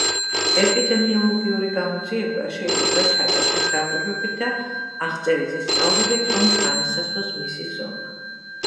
ეპიდემიოლოგიური გამოძიება შეიძლება ჩატარდეს დაკვირვებით და აღწერითი სწავლებით რომ განისაზღვროს მისი ზომა.